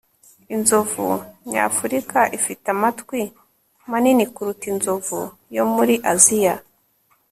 inzovu nyafurika ifite amatwi manini kuruta inzovu yo muri aziya